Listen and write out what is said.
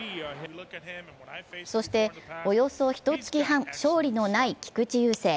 そして、およそひとつき半勝利のない菊池雄星。